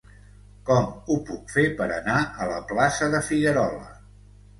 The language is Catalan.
Com ho puc fer per anar a la plaça de Figuerola?